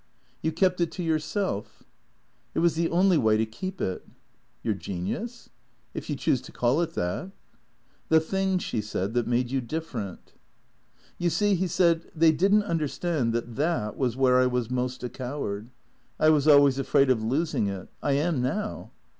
"You kept it to yourself?" " It was the only way to keep it." " Your genius ?"" If you choose to call it that." " The thing," she said, " that made you different." "You see," he said, "they didn't understand that that was where I was most a coward. I was always afraid of losing it. I am now."